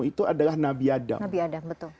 itu adalah nabi adam nabi adam betul